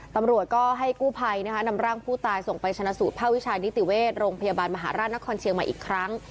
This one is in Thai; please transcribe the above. ตำรวจก็ให้กู้ภัยนำร่างผู้ตายส่งไปชนะสูตรภาควิชานิติเวชโรงพยาบาลมหาราชนครเชียงใหม่อีกครั้ง